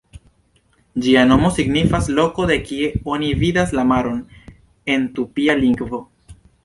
Ĝia nomo signifas "loko de kie oni vidas la maron" en tupia lingvo.